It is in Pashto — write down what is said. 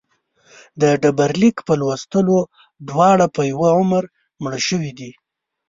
د ډبرلیک په لوستلو دواړه په یوه عمر مړه شوي دي.